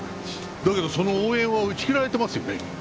だけどその応援は打ち切られてますよね？